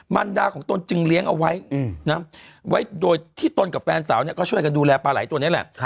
มันดาของตนจึงเลี้ยงเอาไว้โดยที่ตนกับแฟนสาวเนี่ยก็ช่วยกันดูแลปลาไหลตัวนี้แหละ